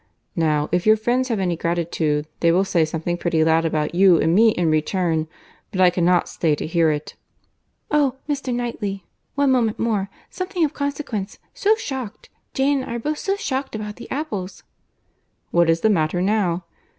Now, if your friends have any gratitude, they will say something pretty loud about you and me in return; but I cannot stay to hear it." "Oh! Mr. Knightley, one moment more; something of consequence—so shocked!—Jane and I are both so shocked about the apples!" "What is the matter now?"